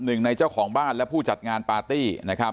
หนึ่งในเจ้าของบ้านและผู้จัดงานปาร์ตี้นะครับ